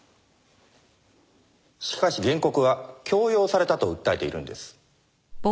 しかし原告は強要されたと訴えているんです。